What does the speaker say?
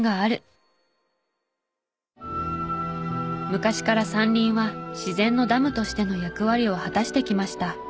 昔から山林は自然のダムとしての役割を果たしてきました。